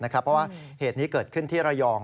เพราะว่าเหตุนี้เกิดขึ้นที่ระยอง